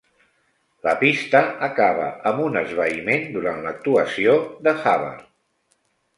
La pista acaba amb un esvaïment durant l'actuació de Hubbard.